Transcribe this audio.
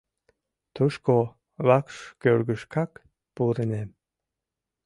— Тушко! — вакш кӧргышкак пурынем.